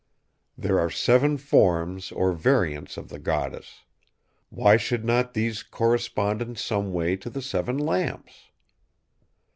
There are seven forms or variants of the Goddess; why should not these correspond in some way to the seven lamps!